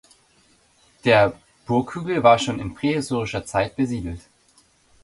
Der Burghügel war schon in prähistorischer Zeit besiedelt.